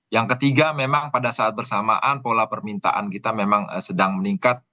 yang ketiga memang pada saat bersamaan pola permintaan kita memang sedang meningkat